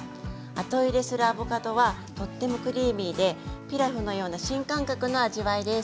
後入れするアボカドはとってもクリーミーでピラフのような新感覚の味わいです。